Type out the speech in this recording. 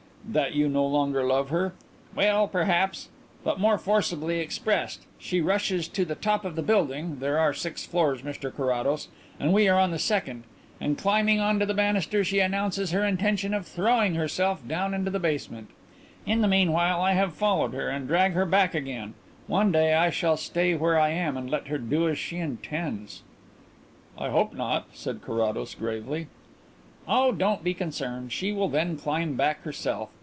"That you no longer love her?" "Well, perhaps; but more forcibly expressed. She rushes to the top of the building there are six floors, Mr Carrados, and we are on the second and climbing on to the banister she announces her intention of throwing herself down into the basement. In the meanwhile I have followed her and drag her back again. One day I shall stay where I am and let her do as she intends." "I hope not," said Carrados gravely. "Oh, don't be concerned. She will then climb back herself.